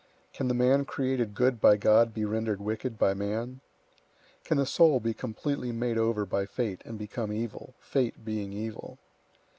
Can the man created good by God be rendered wicked by man? Can the soul be completely made over by fate, and become evil, fate being evil?